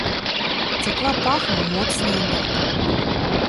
Цякла пахам моцная мята.